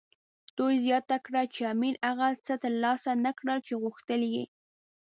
دوی زیاته کړه چې امیر هغه څه ترلاسه نه کړل چې غوښتل یې.